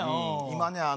今ね